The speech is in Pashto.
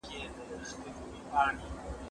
زه سبزیجات جمع کړي دي،